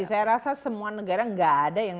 saya rasa semua negara nggak ada yang